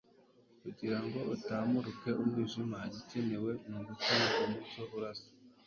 Kugira ngo utamunue umwijima, igikenewe ni ugutuma umucyo urasa.